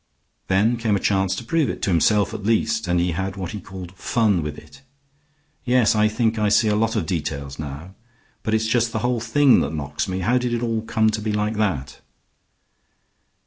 Then came a chance to prove it, to himself at least, and he had what he called 'fun' with it. Yes, I think I see a lot of details now. But it's just the whole thing that knocks me. How did it all come to be like that?"